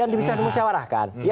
dan bisa dimusyawarahkan